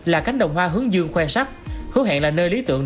là cánh đồng hoa hướng dương khoe sắc hứa hẹn là nơi lý tưởng